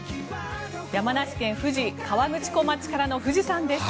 山梨県富士河口湖町からの富士山です。